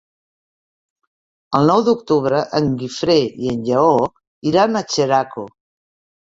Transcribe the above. El nou d'octubre en Guifré i en Lleó iran a Xeraco.